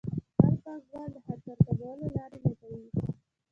هر پانګوال د خطر کمولو لارې لټوي.